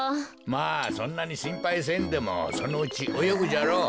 まあそんなにしんぱいせんでもそのうちおよぐじゃろう。